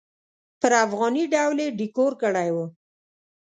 پر افغاني ډول یې ډیکور کړی و.